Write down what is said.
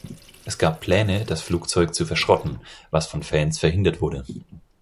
Es gab Pläne das Flugzeug zu verschrotten, was von Fans verhindert wurde.